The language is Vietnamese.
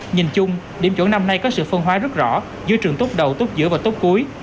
nhìn chung điểm chuẩn năm nay có sự phân hóa rất rõ giữa trường tốt đầu tốt giữa và tốt cuối